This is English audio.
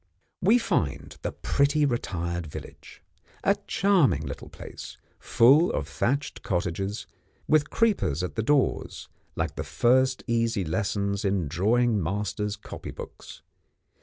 We find the pretty, retired village. A charming place, full of thatched cottages, with creepers at the doors, like the first easy lessons in drawing masters' copy books.